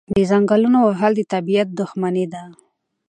د ځنګلونو وهل د طبیعت دښمني ده.